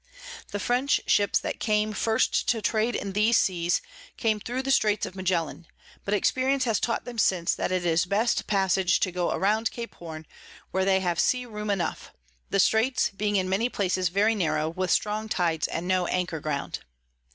The French Ships that came first to trade in these Seas came thro the Straits of Magellan: but Experience has taught them since, that it is the best Passage to go round Cape Horne, where they have Sea room enough; the Straits, being in many places very narrow, with strong Tides and no Anchor ground.